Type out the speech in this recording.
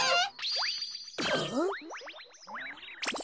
あっ！